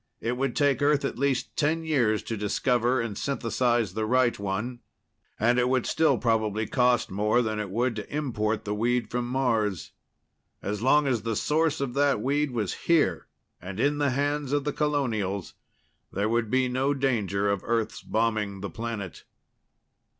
It would take Earth at least ten years to discover and synthesize the right one and it would still probably cost more than it would to import the weed from Mars. As long as the source of that weed was here, and in the hands of the colonials, there would be no danger of Earth's bombing the planet.